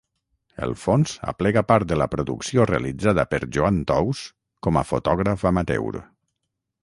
El fons aplega part de la producció realitzada per Joan Tous com a fotògraf amateur.